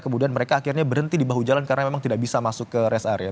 kemudian mereka akhirnya berhenti di bahu jalan karena memang tidak bisa masuk ke rest area